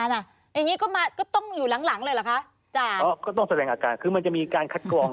สมมุติฉันไปหรือใครก็แล้วแต่ไป